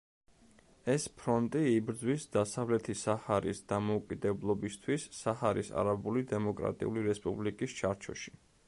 ეს ფრონტი იბრძვის დასავლეთი საჰარის დამოუკიდებლობისთვის, საჰარის არაბული დემოკრატიული რესპუბლიკის ჩარჩოში.